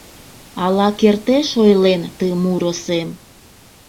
Ала кертеш ойлен ты муро сем?